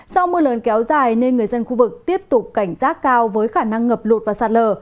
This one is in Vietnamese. do mưa lớn kéo dài nên người dân khu vực tiếp tục cảnh giác cao với khả năng ngập lụt và sạt lở